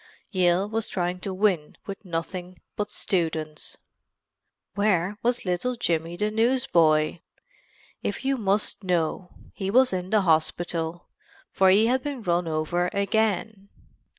Yale was trying to win with nothing but students. Where was little Jimmy the newsboy? If you must know he was in the hospital, for he had been run over again.